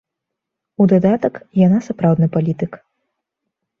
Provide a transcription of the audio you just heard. У дадатак, яна сапраўдны палітык.